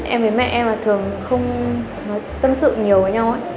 em với mẹ em thường không nói tâm sự nhiều với nhau ấy